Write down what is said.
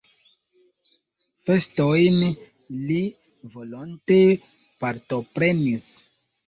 Festojn li volonte partoprenis.